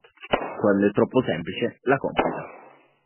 Quando è troppo semplice, la complica".